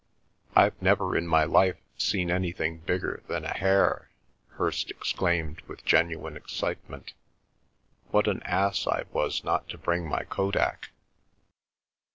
"I've never in my life seen anything bigger than a hare!" Hirst exclaimed with genuine excitement. "What an ass I was not to bring my Kodak!"